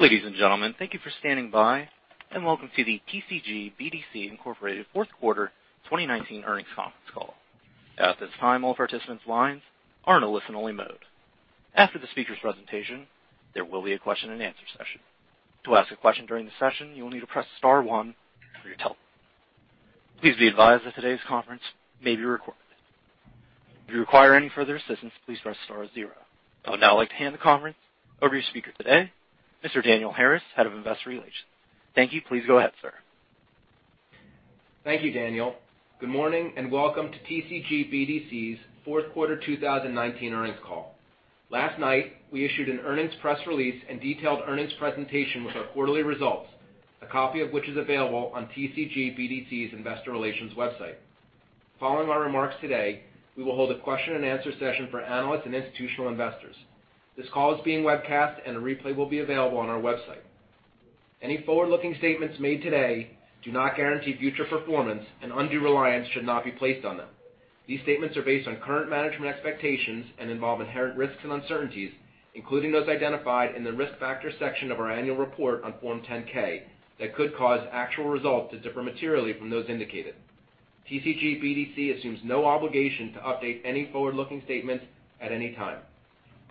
Ladies and gentlemen, thank you for standing by and welcome to the TCG BDC, Inc fourth quarter 2019 earnings conference call. At this time, all participants' lines are in a listen-only mode. After the speakers' presentation, there will be a question-and-answer session. To ask a question during the session, you will need to press star one from your telephone. Please be advised that today's conference may be recorded. If you require any further assistance, please press star zero. I would now like to hand the conference over to your speaker today, Mr. Daniel Harris, Head of Investor Relations. Thank you. Please go ahead, sir. Thank you, Daniel. Good morning and welcome to TCG BDC's fourth quarter 2019 earnings call. Last night, we issued an earnings press release and detailed earnings presentation with our quarterly results, a copy of which is available on TCG BDC's investor relations website. Following my remarks today, we will hold a question-and-answer session for analysts and institutional investors. This call is being webcast and a replay will be available on our website. Any forward-looking statements made today do not guarantee future performance and undue reliance should not be placed on them. These statements are based on current management expectations and involve inherent risks and uncertainties, including those identified in the risk factor section of our annual report on Form 10-K, that could cause actual results to differ materially from those indicated. TCG BDC assumes no obligation to update any forward-looking statements at any time.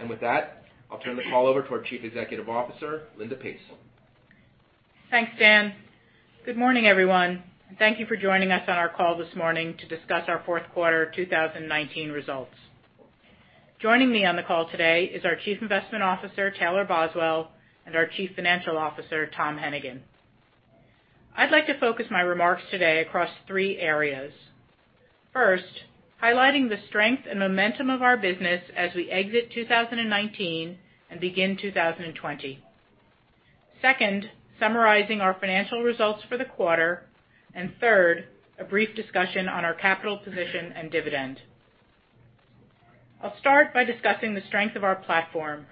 With that, I'll turn the call over to our Chief Executive Officer, Linda Pace. Thanks, Dan. Good morning, everyone, and thank you for joining us on our call this morning to discuss our fourth quarter 2019 results. Joining me on the call today is our Chief Investment Officer, Taylor Boswell, and our Chief Financial Officer, Tom Hennigan. I'd like to focus my remarks today across three areas. First, highlighting the strength and momentum of our business as we exit 2019 and begin 2020. Second, summarizing our financial results for the quarter. Third, a brief discussion on our capital position and dividend. I'll start by discussing the strength of our platform.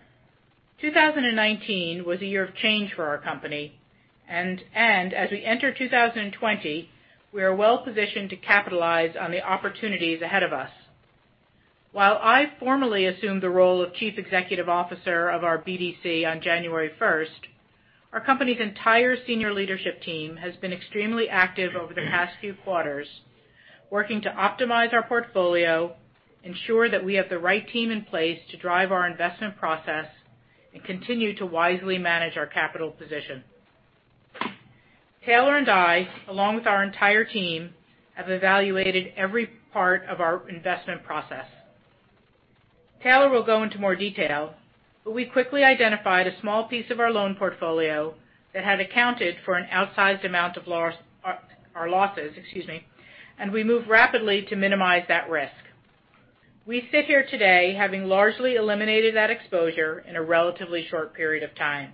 2019 was a year of change for our company, and as we enter 2020, we are well positioned to capitalize on the opportunities ahead of us. While I formally assumed the role of Chief Executive Officer of our BDC on January 1st, our company's entire senior leadership team has been extremely active over the past few quarters, working to optimize our portfolio, ensure that we have the right team in place to drive our investment process, and continue to wisely manage our capital position. Taylor and I, along with our entire team, have evaluated every part of our investment process. Taylor will go into more detail, but we quickly identified a small piece of our loan portfolio that had accounted for an outsized amount of our losses, and we moved rapidly to minimize that risk. We sit here today having largely eliminated that exposure in a relatively short period of time.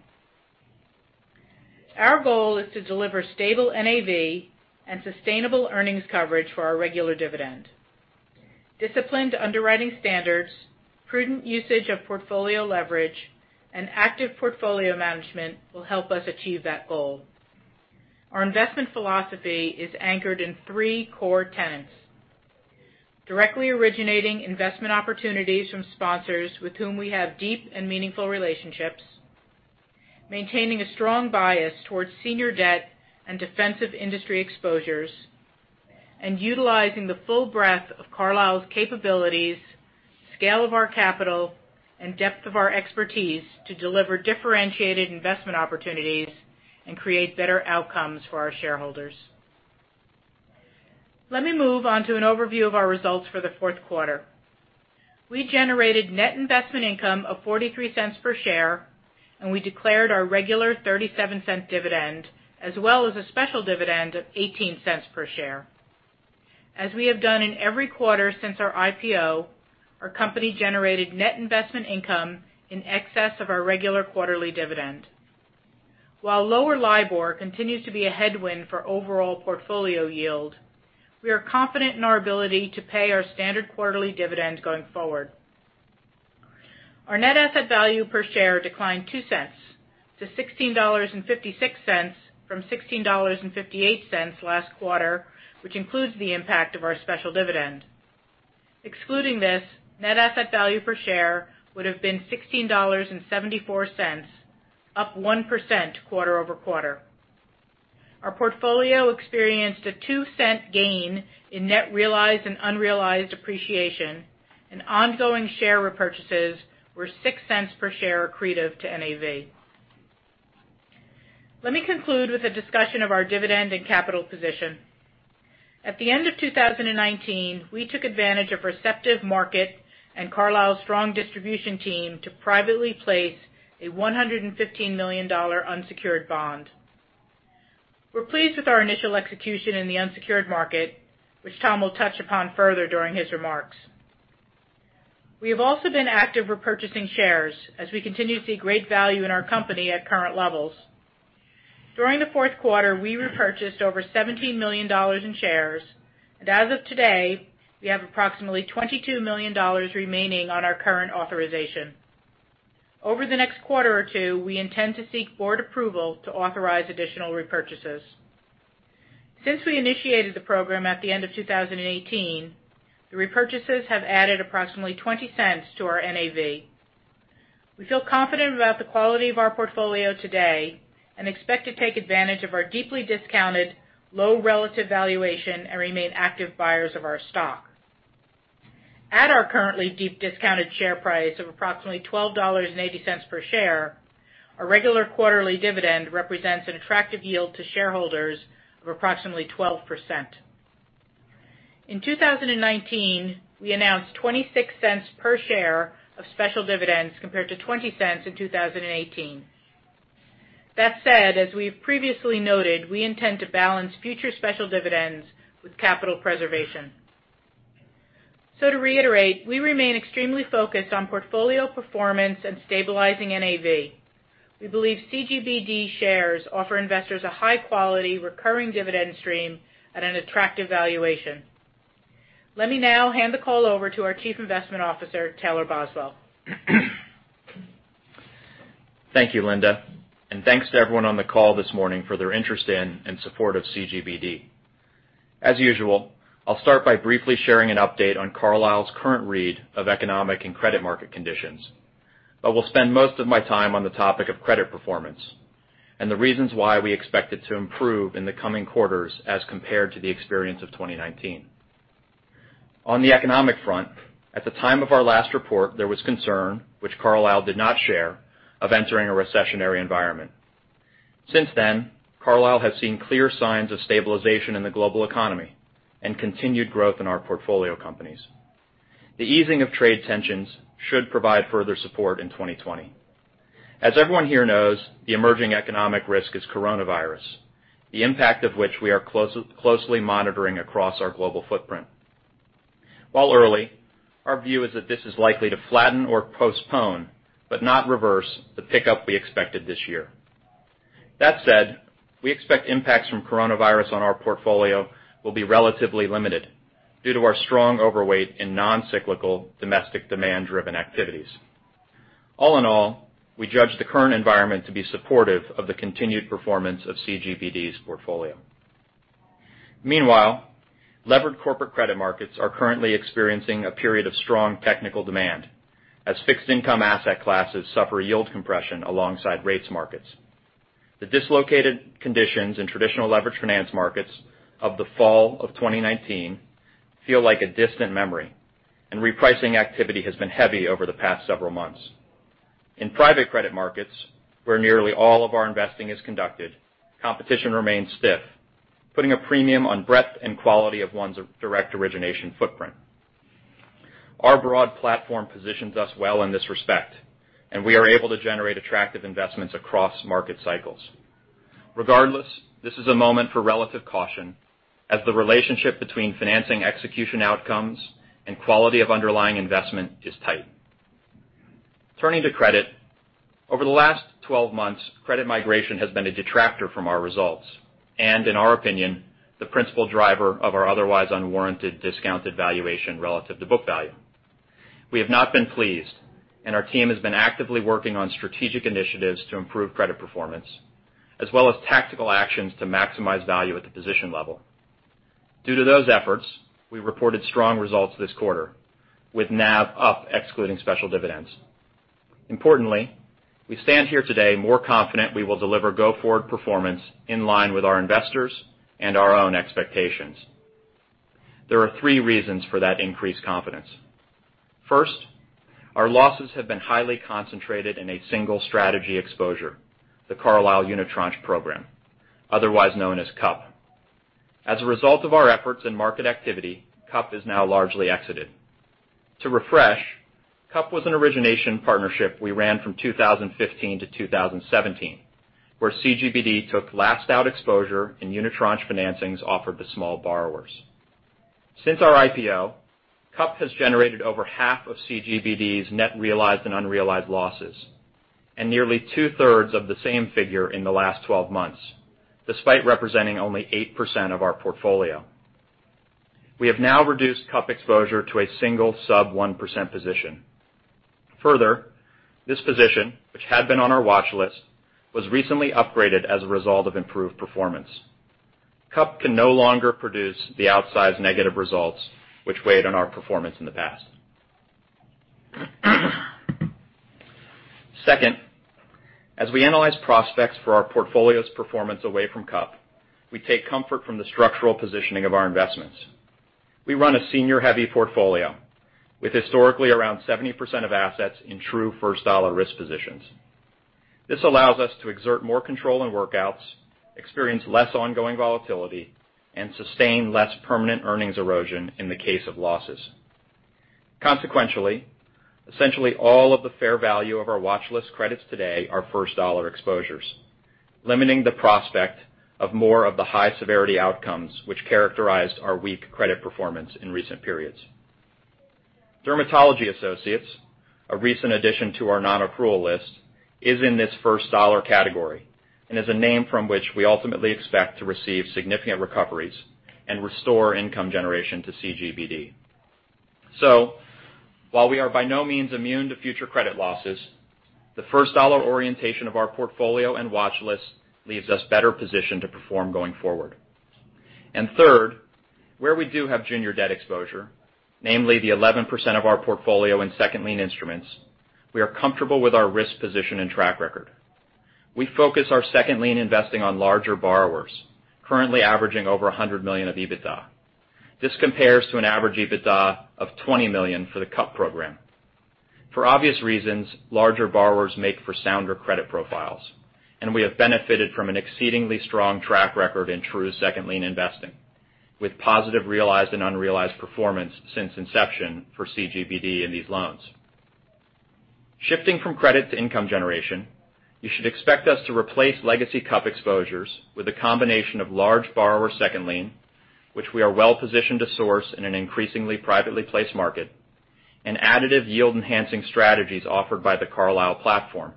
Our goal is to deliver stable NAV and sustainable earnings coverage for our regular dividend. Disciplined underwriting standards, prudent usage of portfolio leverage, and active portfolio management will help us achieve that goal. Our investment philosophy is anchored in three core tenets. Directly originating investment opportunities from sponsors with whom we have deep and meaningful relationships, maintaining a strong bias towards senior debt and defensive industry exposures, and utilizing the full breadth of Carlyle's capabilities, scale of our capital, and depth of our expertise to deliver differentiated investment opportunities and create better outcomes for our shareholders. Let me move on to an overview of our results for the fourth quarter. We generated net investment income of $0.43 per share, and we declared our regular $0.37 dividend, as well as a special dividend of $0.18 per share. As we have done in every quarter since our IPO, our company generated net investment income in excess of our regular quarterly dividend. While lower LIBOR continues to be a headwind for overall portfolio yield, we are confident in our ability to pay our standard quarterly dividend going forward. Our net asset value per share declined $0.02 to $16.56 from $16.58 last quarter, which includes the impact of our special dividend. Excluding this, net asset value per share would've been $16.74, up 1% quarter-over-quarter. Our portfolio experienced a $0.02 gain in net realized and unrealized appreciation, and ongoing share repurchases were $0.06 per share accretive to NAV. Let me conclude with a discussion of our dividend and capital position. At the end of 2019, we took advantage of a receptive market and Carlyle's strong distribution team to privately place a $115 million unsecured bond. We're pleased with our initial execution in the unsecured market, which Tom will touch upon further during his remarks. We have also been active repurchasing shares as we continue to see great value in our company at current levels. During the fourth quarter, we repurchased over $17 million in shares, and as of today, we have approximately $22 million remaining on our current authorization. Over the next quarter or two, we intend to seek board approval to authorize additional repurchases. Since we initiated the program at the end of 2018, the repurchases have added approximately $0.20 to our NAV. We feel confident about the quality of our portfolio today and expect to take advantage of our deeply discounted, low relative valuation and remain active buyers of our stock. At our currently deep discounted share price of approximately $12.80 per share, our regular quarterly dividend represents an attractive yield to shareholders of approximately 12%. In 2019, we announced $0.26 per share of special dividends compared to $0.20 in 2018. That said, as we have previously noted, we intend to balance future special dividends with capital preservation. To reiterate, we remain extremely focused on portfolio performance and stabilizing NAV. We believe CGBD shares offer investors a high-quality, recurring dividend stream at an attractive valuation. Let me now hand the call over to our Chief Investment Officer, Taylor Boswell. Thank you, Linda, and thanks to everyone on the call this morning for their interest in and support of CGBD. As usual, I'll start by briefly sharing an update on Carlyle's current read of economic and credit market conditions. Will spend most of my time on the topic of credit performance and the reasons why we expect it to improve in the coming quarters as compared to the experience of 2019. On the economic front, at the time of our last report, there was concern, which Carlyle did not share, of entering a recessionary environment. Since then, Carlyle has seen clear signs of stabilization in the global economy and continued growth in our portfolio companies. The easing of trade tensions should provide further support in 2020. As everyone here knows, the emerging economic risk is coronavirus, the impact of which we are closely monitoring across our global footprint. While early, our view is that this is likely to flatten or postpone, but not reverse, the pickup we expected this year. That said, we expect impacts from coronavirus on our portfolio will be relatively limited due to our strong overweight in non-cyclical domestic demand-driven activities. All in all, we judge the current environment to be supportive of the continued performance of CGBD's portfolio. Meanwhile, levered corporate credit markets are currently experiencing a period of strong technical demand as fixed income asset classes suffer yield compression alongside rates markets. The dislocated conditions in traditional leveraged finance markets of the fall of 2019 feel like a distant memory, and repricing activity has been heavy over the past several months. In private credit markets, where nearly all of our investing is conducted, competition remains stiff, putting a premium on breadth and quality of one's direct origination footprint. Our broad platform positions us well in this respect, and we are able to generate attractive investments across market cycles. Regardless, this is a moment for relative caution as the relationship between financing execution outcomes and quality of underlying investment is tight. Turning to credit, over the last 12 months, credit migration has been a detractor from our results and, in our opinion, the principal driver of our otherwise unwarranted discounted valuation relative to book value. We have not been pleased, and our team has been actively working on strategic initiatives to improve credit performance, as well as tactical actions to maximize value at the position level. Due to those efforts, we reported strong results this quarter, with NAV up excluding special dividends. Importantly, we stand here today more confident we will deliver go-forward performance in line with our investors and our own expectations. There are three reasons for that increased confidence. First, our losses have been highly concentrated in a single strategy exposure, the Carlyle Unitranche Program, otherwise known as CUP. As a result of our efforts and market activity, CUP is now largely exited. To refresh, CUP was an origination partnership we ran from 2015 to 2017, where CGBD took last-out exposure in unitranche financings offered to small borrowers. Since our IPO, CUP has generated over 1/2 of CGBD's net realized and unrealized losses, and nearly 2/3 of the same figure in the last 12 months, despite representing only 8% of our portfolio. We have now reduced CUP exposure to a single sub-1% position. Further, this position, which had been on our watchlist, was recently upgraded as a result of improved performance. CUP can no longer produce the outsized negative results which weighed on our performance in the past. Second, as we analyze prospects for our portfolio's performance away from CUP, we take comfort from the structural positioning of our investments. We run a senior-heavy portfolio with historically around 70% of assets in true first dollar risk positions. This allows us to exert more control in workouts, experience less ongoing volatility, and sustain less permanent earnings erosion in the case of losses. Consequentially, essentially all of the fair value of our watchlist credits today are first dollar exposures, limiting the prospect of more of the high-severity outcomes which characterized our weak credit performance in recent periods. Dermatology Associates, a recent addition to our non-accrual list, is in this first dollar category and is a name from which we ultimately expect to receive significant recoveries and restore income generation to CGBD. While we are by no means immune to future credit losses, the first dollar orientation of our portfolio and watch list leaves us better positioned to perform going forward. Third, where we do have junior debt exposure, namely the 11% of our portfolio in second lien instruments, we are comfortable with our risk position and track record. We focus our second lien investing on larger borrowers, currently averaging over $100 million of EBITDA. This compares to an average EBITDA of $20 million for the CUP program. For obvious reasons, larger borrowers make for sounder credit profiles, and we have benefited from an exceedingly strong track record in true second lien investing, with positive realized and unrealized performance since inception for CGBD in these loans. Shifting from credit to income generation, you should expect us to replace legacy CUP exposures with a combination of large borrower second lien, which we are well positioned to source in an increasingly privately placed market, and additive yield-enhancing strategies offered by the Carlyle platform,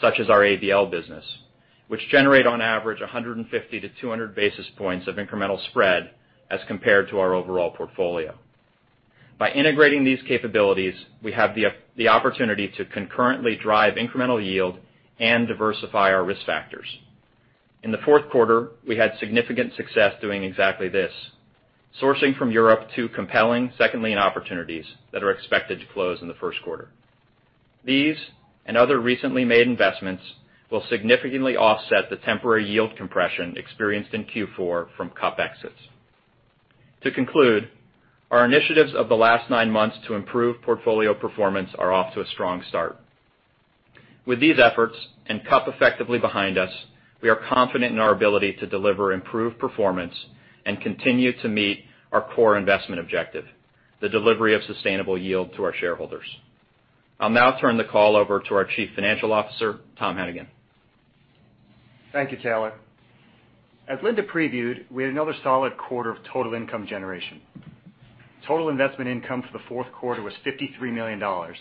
such as our ABL business, which generate on average 150-200 basis points of incremental spread as compared to our overall portfolio. By integrating these capabilities, we have the opportunity to concurrently drive incremental yield and diversify our risk factors. In the fourth quarter, we had significant success doing exactly this, sourcing from Europe two compelling second lien opportunities that are expected to close in the first quarter. These and other recently made investments will significantly offset the temporary yield compression experienced in Q4 from CUP exits. To conclude, our initiatives of the last nine months to improve portfolio performance are off to a strong start. With these efforts and CUP effectively behind us, we are confident in our ability to deliver improved performance and continue to meet our core investment objective, the delivery of sustainable yield to our shareholders. I'll now turn the call over to our Chief Financial Officer, Tom Hennigan. Thank you, Taylor. As Linda previewed, we had another solid quarter of total income generation. Total investment income for the fourth quarter was $53 million, down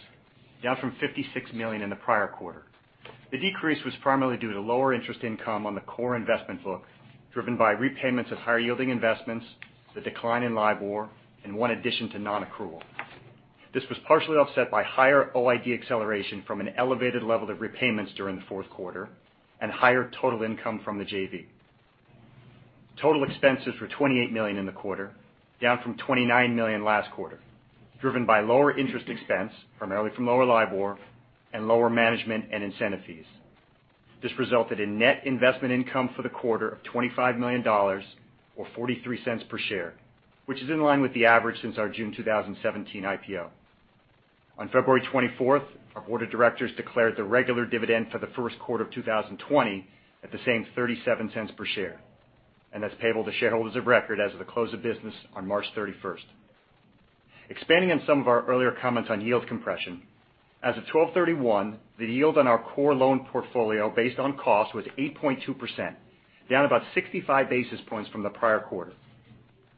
from $56 million in the prior quarter. The decrease was primarily due to lower interest income on the core investment book, driven by repayments of higher-yielding investments, the decline in LIBOR, and one addition to non-accrual. This was partially offset by higher OID acceleration from an elevated level of repayments during the fourth quarter and higher total income from the JV. Total expenses were $28 million in the quarter, down from $29 million last quarter, driven by lower interest expense, primarily from lower LIBOR, and lower management and incentive fees. This resulted in net investment income for the quarter of $25 million, or $0.43 per share, which is in line with the average since our June 2017 IPO. On February 24th, our Board of Directors declared the regular dividend for the first quarter of 2020 at the same $0.37 per share, that's payable to shareholders of record as of the close of business on March 31st. Expanding on some of our earlier comments on yield compression, as of 12/31, the yield on our core loan portfolio based on cost was 8.2%, down about 65 basis points from the prior quarter.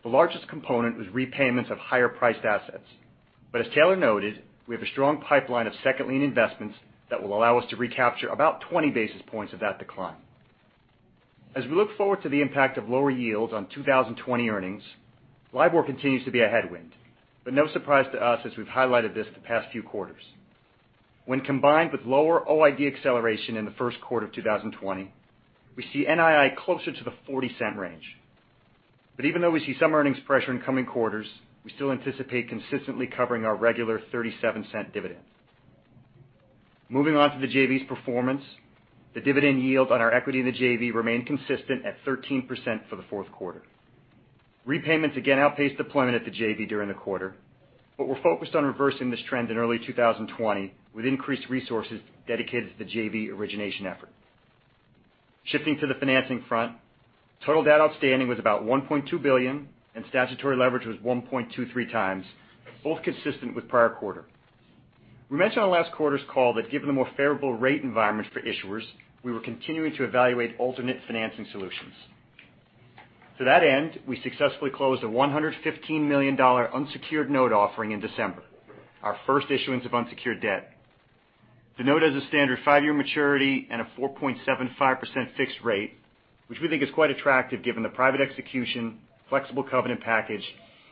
The largest component was repayments of higher-priced assets. As Taylor noted, we have a strong pipeline of second lien investments that will allow us to recapture about 20 basis points of that decline. As we look forward to the impact of lower yields on 2020 earnings, LIBOR continues to be a headwind, no surprise to us as we've highlighted this the past few quarters. When combined with lower OID acceleration in the first quarter of 2020, we see NII closer to the $0.40 range. Even though we see some earnings pressure in coming quarters, we still anticipate consistently covering our regular $0.37 dividend. Moving on to the JV's performance, the dividend yield on our equity in the JV remained consistent at 13% for the fourth quarter. Repayments again outpaced deployment at the JV during the quarter, but we're focused on reversing this trend in early 2020 with increased resources dedicated to the JV origination effort. Shifting to the financing front, total debt outstanding was about $1.2 billion and statutory leverage was 1.23x, both consistent with prior quarter. We mentioned on last quarter's call that given the more favorable rate environment for issuers, we were continuing to evaluate alternate financing solutions. To that end, we successfully closed a $115 million unsecured note offering in December, our first issuance of unsecured debt. The note has a standard five-year maturity and a 4.75% fixed rate, which we think is quite attractive given the private execution, flexible covenant package,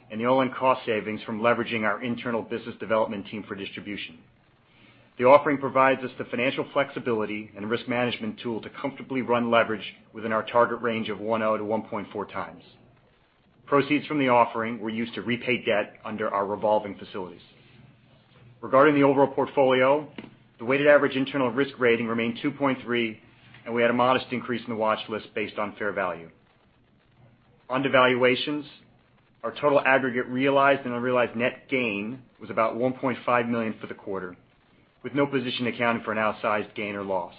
and the all-in cost savings from leveraging our internal business development team for distribution. The offering provides us the financial flexibility and risk management tool to comfortably run leverage within our target range of 1.0x-1.4x. Proceeds from the offering were used to repay debt under our revolving facilities. Regarding the overall portfolio, the weighted average internal risk rating remained 2.3, and we had a modest increase in the watch list based on fair value. On the valuations, our total aggregate realized and unrealized net gain was about $1.5 million for the quarter, with no position accounting for an outsized gain or loss.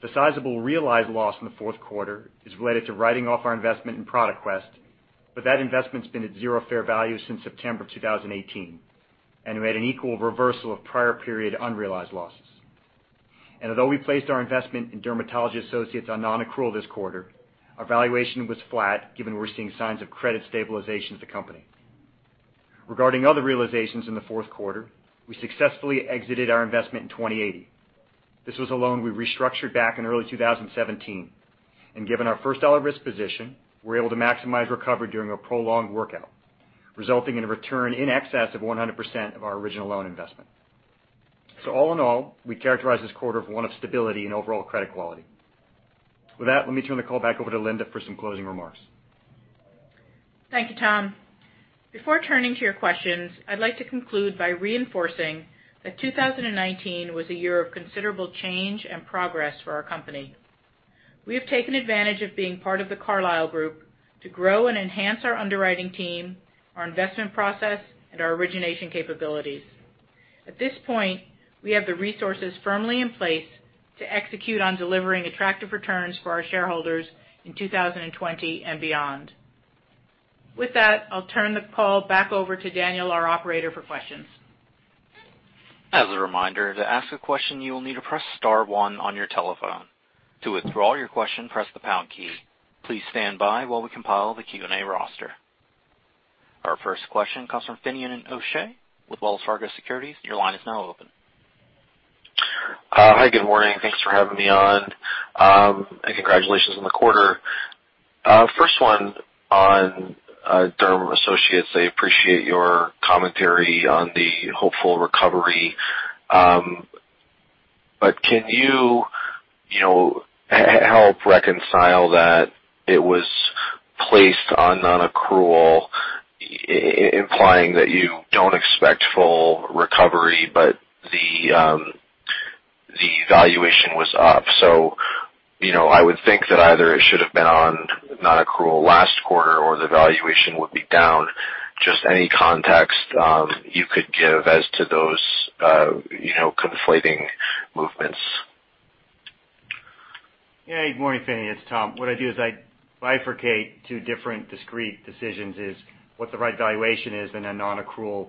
The sizable realized loss in the fourth quarter is related to writing off our investment in Product Quest. That investment's been at zero fair value since September 2018. We had an equal reversal of prior period unrealized losses. Although we placed our investment in Dermatology Associates on non-accrual this quarter, our valuation was flat given we're seeing signs of credit stabilization at the company. Regarding other realizations in the fourth quarter, we successfully exited our investment in TwentyEighty. This was a loan we restructured back in early 2017. Given our first dollar risk position, we're able to maximize recovery during a prolonged workout, resulting in a return in excess of 100% of our original loan investment. All in all, we characterize this quarter of one of stability and overall credit quality. With that, let me turn the call back over to Linda for some closing remarks. Thank you, Tom. Before turning to your questions, I'd like to conclude by reinforcing that 2019 was a year of considerable change and progress for our company. We have taken advantage of being part of The Carlyle Group to grow and enhance our underwriting team, our investment process, and our origination capabilities. At this point, we have the resources firmly in place to execute on delivering attractive returns for our shareholders in 2020 and beyond. With that, I'll turn the call back over to Daniel, our operator for questions. As a reminder, to ask a question, you will need to press star one on your telephone. To withdraw your question, press the pound key. Please stand by while we compile the Q&A roster. Our first question comes from Finian O'Shea with Wells Fargo Securities. Your line is now open. Hi, good morning. Thanks for having me on. Congratulations on the quarter. First one on Dermatology Associates. I appreciate your commentary on the hopeful recovery. Can you help reconcile that it was placed on non-accrual, implying that you don't expect full recovery, but the valuation was up. I would think that either it should have been on non-accrual last quarter or the valuation would be down. Just any context you could give as to those conflating movements. Yeah. Good morning, Finian, it's Tom. What I do is I bifurcate two different discrete decisions is what the right valuation is in a non-accrual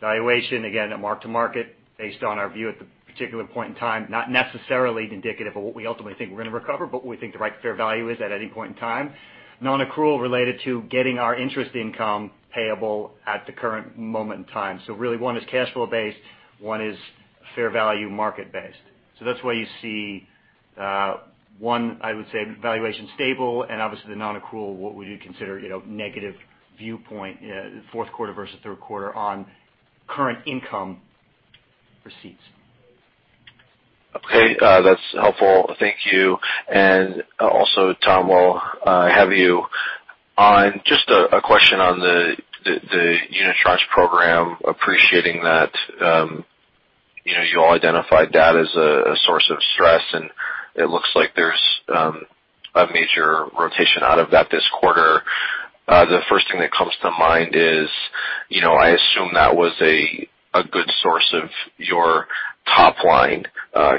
valuation. Again, a mark to market based on our view at the particular point in time, not necessarily indicative of what we ultimately think we're going to recover, but what we think the right fair value is at any point in time. Non-accrual related to getting our interest income payable at the current moment in time. Really one is cash flow based, one is fair value market based. That's why you see one, I would say valuation stable and obviously the non-accrual, what we would consider negative viewpoint, fourth quarter versus third quarter on current income receipts. Okay. That's helpful. Thank you. Also, Tom, while I have you on, just a question on the Unitranche Program, appreciating that you all identified that as a source of stress, and it looks like there's a major rotation out of that this quarter. The first thing that comes to mind is, I assume that was a good source of your top line,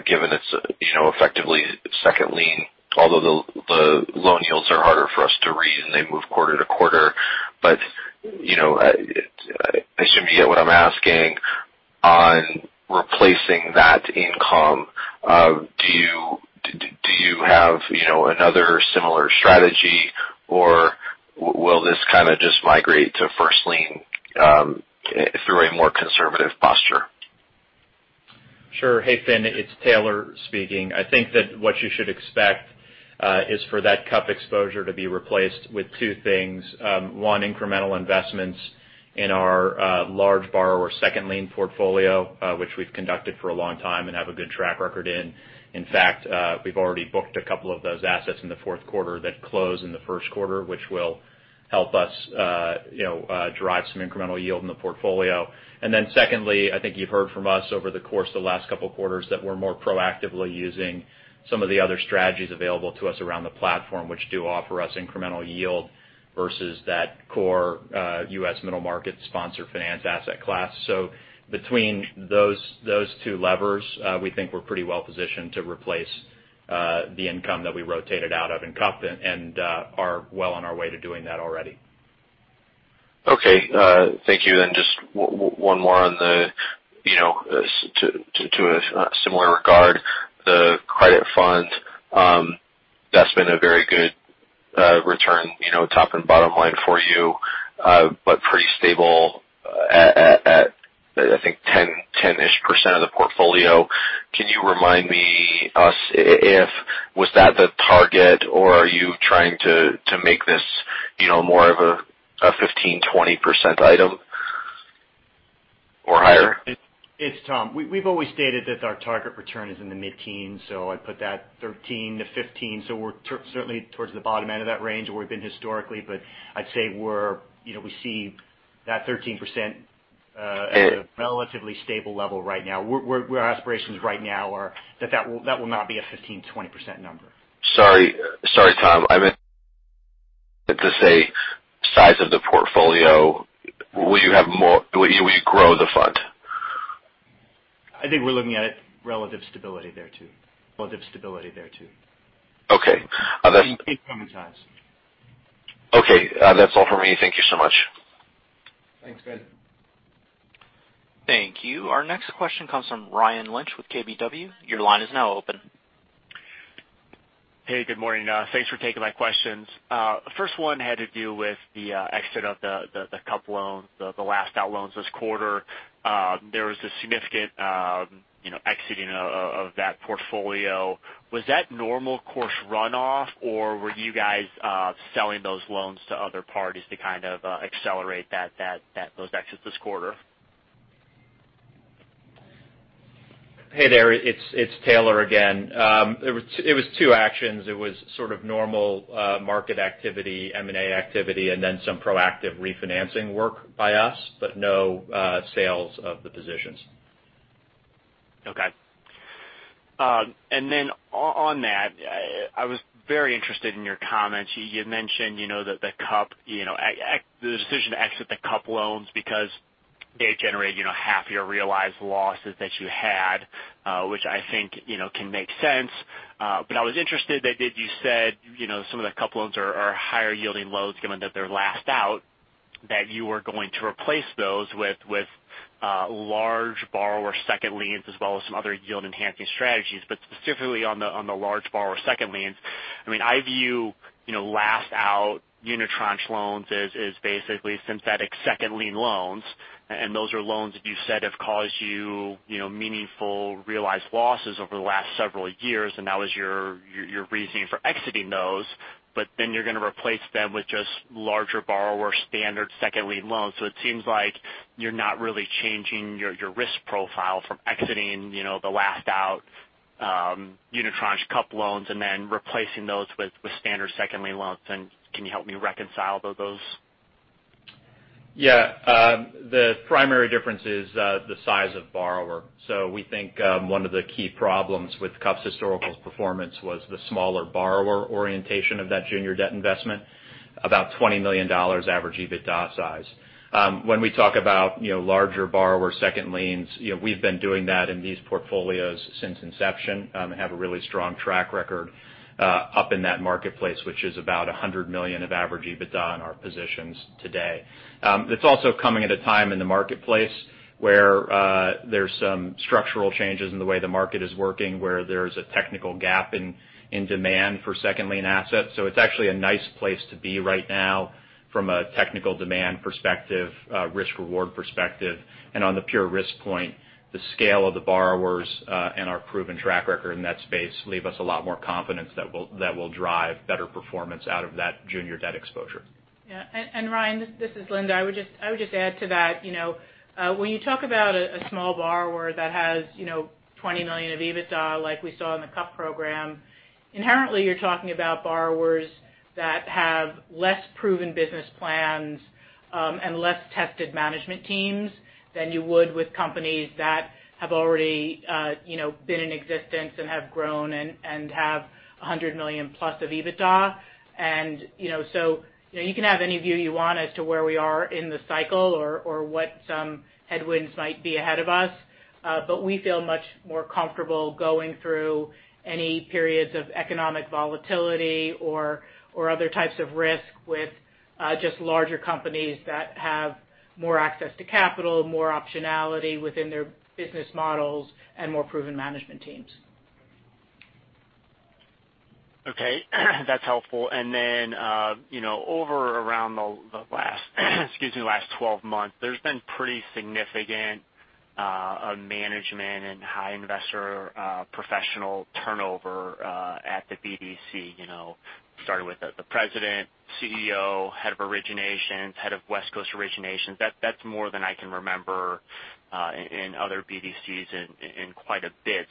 given it's effectively second lien, although the loan yields are harder for us to read, and they move quarter-to-quarter. I assume you get what I'm asking on replacing that income. Do you have another similar strategy, or will this kind of just migrate to first lien through a more conservative posture? Sure. Hey, Fin, it's Taylor speaking. I think that what you should expect, is for that CUP exposure to be replaced with two things. One, incremental investments in our large borrower second lien portfolio, which we've conducted for a long time and have a good track record in. In fact, we've already booked a couple of those assets in the fourth quarter that close in the first quarter, which will help us drive some incremental yield in the portfolio. Secondly, I think you've heard from us over the course of the last couple of quarters that we're more proactively using some of the other strategies available to us around the platform, which do offer us incremental yield versus that core U.S. middle market sponsored finance asset class. Between those two levers, we think we're pretty well positioned to replace the income that we rotated out of in CUP and are well on our way to doing that already. Okay. Thank you. Just one more to a similar regard, the credit fund, that's been a very good return top and bottom line for you, but pretty stable at, I think, 10-ish percent of the portfolio. Can you remind me, us if was that the target or are you trying to make this more of a 15%, 20% item or higher? It's Tom. We've always stated that our target return is in the mid-teens, I'd put that 13%-15%. We're certainly towards the bottom end of that range where we've been historically, but I'd say we see that 13% at a relatively stable level right now. Our aspirations right now are that will not be a 15%, 20% number. Sorry, Tom. I meant to say size of the portfolio. Will you grow the fund? I think we're looking at it relative stability there too. Okay. Okay. That's all for me. Thank you so much. Thanks, Fin. Thank you. Our next question comes from Ryan Lynch with KBW. Your line is now open. Hey, good morning. Thanks for taking my questions. First one had to do with the exit of the CUP loan, the last out loans this quarter. There was a significant exiting of that portfolio. Was that normal course runoff, or were you guys selling those loans to other parties to kind of accelerate those exits this quarter? Hey there. It's Taylor again. It was two actions. It was sort of normal market activity, M&A activity, and then some proactive refinancing work by us, but no sales of the positions. On that, I was very interested in your comments. You mentioned the decision to exit the CUP loans because they generate 1/2 your realized losses that you had, which I think can make sense. I was interested that you said some of the CUP loans are higher-yielding loans, given that they're last out, that you are going to replace those with large borrower second liens as well as some other yield enhancing strategies, but specifically on the large borrower second liens. I view last out unitranche loans as basically synthetic second lien loans, and those are loans that you said have caused you meaningful realized losses over the last several years, and that was your reasoning for exiting those. Then you're going to replace them with just larger borrower standard second lien loans. It seems like you're not really changing your risk profile from exiting the last out unitranche CUP loans and then replacing those with standard second lien loans. Can you help me reconcile those? Yeah. The primary difference is the size of borrower. We think one of the key problems with CUP's historical performance was the smaller borrower orientation of that junior debt investment, about $20 million average EBITDA size. When we talk about larger borrower second liens, we've been doing that in these portfolios since inception and have a really strong track record up in that marketplace, which is about $100 million of average EBITDA in our positions today. It's also coming at a time in the marketplace where there's some structural changes in the way the market is working, where there's a technical gap in demand for second lien assets. It's actually a nice place to be right now from a technical demand perspective, risk reward perspective. On the pure risk point, the scale of the borrowers and our proven track record in that space leave us a lot more confidence that will drive better performance out of that junior debt exposure. Yeah. Ryan, this is Linda. I would just add to that. When you talk about a small borrower that has $20 million of EBITDA like we saw in the CUP program, inherently you're talking about borrowers that have less-proven business plans and less-tested management teams than you would with companies that have already been in existence and have grown and have $100+ million of EBITDA. You can have any view you want as to where we are in the cycle or what some headwinds might be ahead of us. We feel much more comfortable going through any periods of economic volatility or other types of risk with just larger companies that have more access to capital, more optionality within their business models, and more proven management teams. Okay. That's helpful. Then over around the last 12 months, there's been pretty significant management and high investor professional turnover at the BDC. Starting with the President, CEO, Head of Originations, Head of West Coast Originations. That's more than I can remember in other BDCs in quite a bit.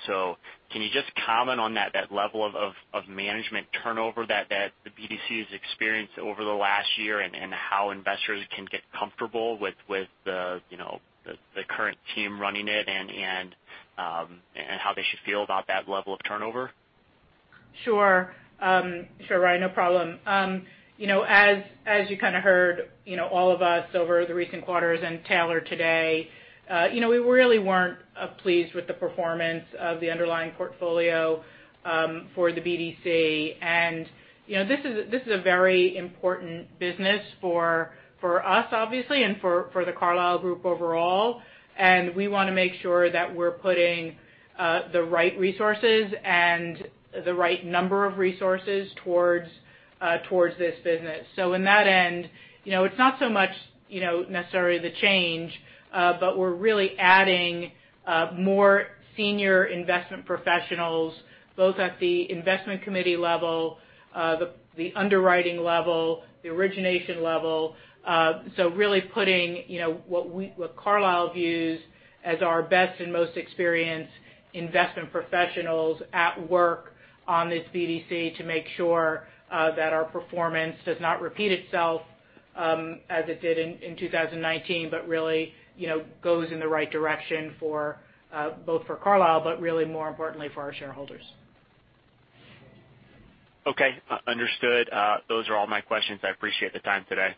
Can you just comment on that level of management turnover that the BDC has experienced over the last year, and how investors can get comfortable with the current team running it, and how they should feel about that level of turnover? Sure, Ryan, no problem. As you kind of heard all of us over the recent quarters and Taylor today, we really weren't pleased with the performance of the underlying portfolio for the BDC. This is a very important business for us obviously, and for The Carlyle Group overall, and we want to make sure that we're putting the right resources and the right number of resources towards this business. In that end, it's not so much necessarily the change. We're really adding more senior investment professionals, both at the investment committee level, the underwriting level, the origination level. Really putting what Carlyle views as our best and most experienced investment professionals at work on this BDC to make sure that our performance does not repeat itself as it did in 2019, but really goes in the right direction both for Carlyle, but really more importantly for our shareholders. Okay, understood. Those are all my questions. I appreciate the time today.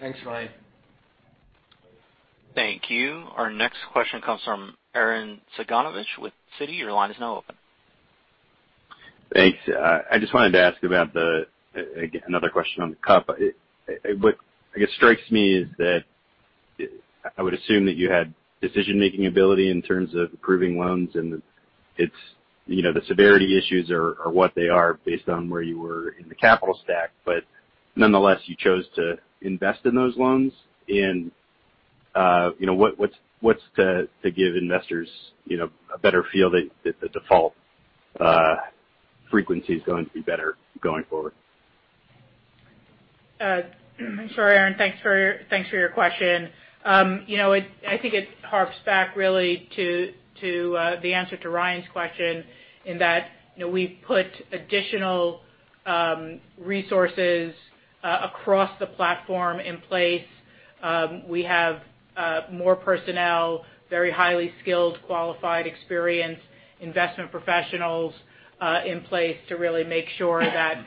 Thanks, Ryan. Thank you. Our next question comes from Arren Cyganovich with Citi. Your line is now open. Thanks. I just wanted to ask about another question on the CUP. What strikes me is that I would assume that you had decision-making ability in terms of approving loans and the severity issues are what they are based on where you were in the capital stack. Nonetheless, you chose to invest in those loans. What's to give investors a better feel that the default frequency is going to be better going forward? Sure, Aaren. Thanks for your question. I think it harps back really to the answer to Ryan's question, in that we put additional resources across the platform in place. We have more personnel, very highly skilled, qualified, experienced investment professionals in place to really make sure that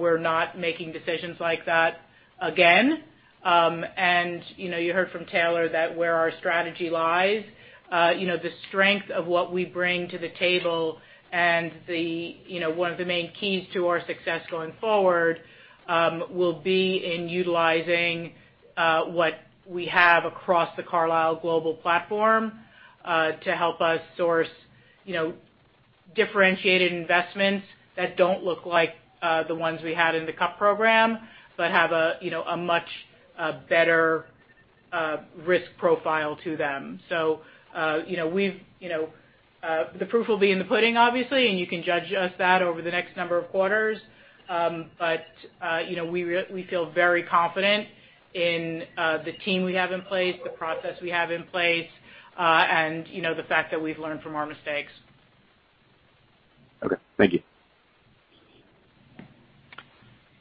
we're not making decisions like that again. You heard from Taylor that where our strategy lies, the strength of what we bring to the table and one of the main keys to our success going forward will be in utilizing what we have across the Carlyle global platform to help us source differentiated investments that don't look like the ones we had in the CUP program, but have a much better risk profile to them. The proof will be in the pudding, obviously, and you can judge us that over the next number of quarters. We feel very confident in the team we have in place, the process we have in place, and the fact that we've learned from our mistakes. Okay. Thank you.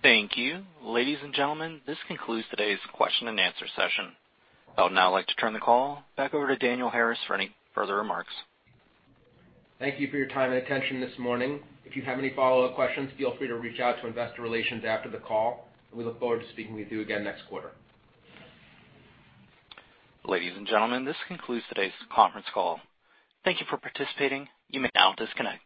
Thank you. Ladies and gentlemen, this concludes today's question-and-answer session. I would now like to turn the call back over to Daniel Harris for any further remarks. Thank you for your time and attention this morning. If you have any follow-up questions, feel free to reach out to investor relations after the call, and we look forward to speaking with you again next quarter. Ladies and gentlemen, this concludes today's conference call. Thank you for participating. You may now disconnect.